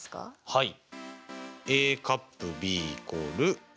はい。